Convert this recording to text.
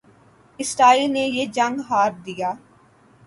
اسرائیل نے یہ جنگ ہار دیا